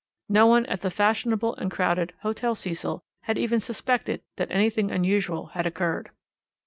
No one at the fashionable and crowded Hotel Cecil had even suspected that anything unusual had occurred.